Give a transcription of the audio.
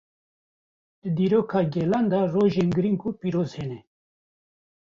Di dîroka gelan de rojên girîng û pîroz hene.